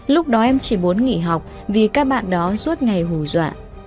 lúc đó em chỉ muốn nghỉ học vì các bạn đó suốt ngày hù dọa